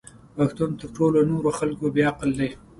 پښتون تر ټولو نورو خلکو بې عقل دی!